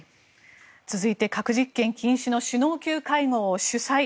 続いて核実験禁止の首脳級会合を主催。